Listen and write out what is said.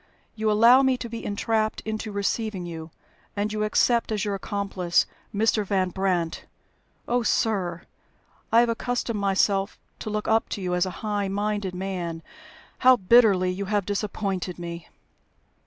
You allow me to be entrapped into receiving you, and you accept as your accomplice Mr. Van Brandt! Oh, sir, I have accustomed myself to look up to you as a high minded man. How bitterly you have disappointed me!"